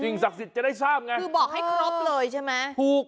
ศักดิ์สิทธิ์จะได้ทราบไงคือบอกให้ครบเลยใช่ไหมถูก